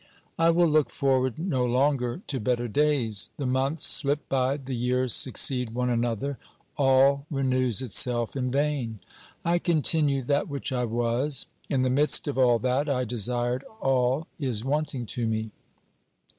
I will look forward no longer to better days. The months slip by, the years succeed one another, all renews itself in vain. I continue that which I was. In the midst of all that I desired all is wanting to me.